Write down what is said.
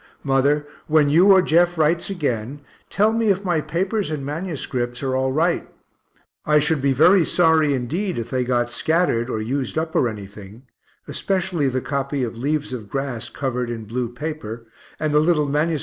Mother, when you or Jeff writes again, tell me if my papers and MSS. are all right; I should be very sorry indeed if they got scattered, or used up or anything especially the copy of "Leaves of Grass" covered in blue paper, and the little MS.